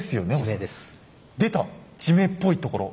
地名っぽいところ。